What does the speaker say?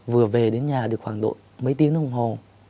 vừa về đến nhà được khoảng độ mấy tiếng đồng hồ